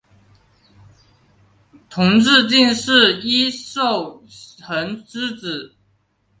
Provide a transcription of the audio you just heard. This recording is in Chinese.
同治进士尹寿衡之子。